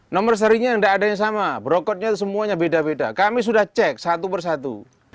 nomor serinya tidak ada yang sama brokotnya semuanya beda beda kami sudah cek satu persatu